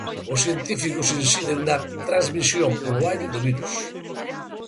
Os científicos inciden na transmisión polo aire do virus.